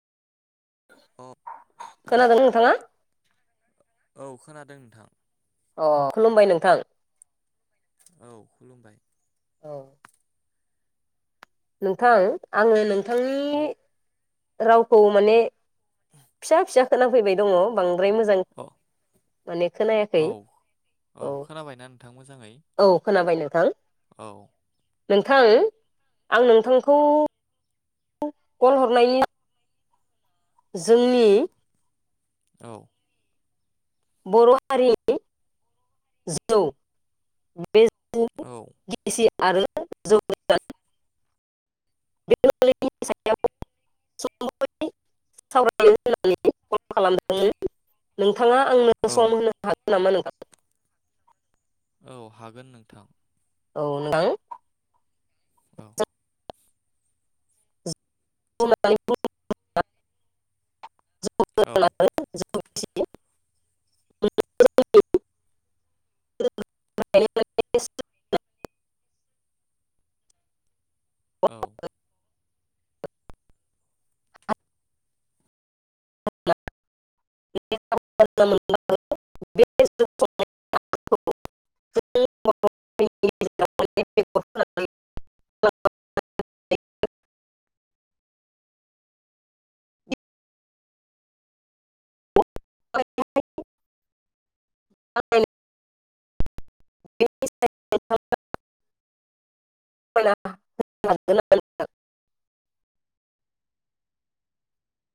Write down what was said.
अ खोनादों नोंथाङा? औ खोनादों नोंथां अ खुलुमबाय नोंथां औ खुलुमबाय औ नोंथां आङो नों थांनि औ रावखौ माने फिसा फिसा खोनाफैबाय दङ बां दराय मोजां अ माने खोनायाखै औ औ खोनाबायना नोंथां मोजाङै औ खोनाबाय नोंथां औ नोंथां आं नोंथांखौ कल हरनायनि जोंनि औ बर' हारि जौव औ बेसि [unintelligible] आरो जौ [unintelligible] खालामदोंमोन नोंथाङा आंनो सम औ होनो हागोन? नामा नोंथा औ हागोन नोंथां औ नोंथां औ [unintelligible] औ [unintelligible] [unintelligible] [unintelligible] औ [unintelligible] [unintelligible] [unintelligible]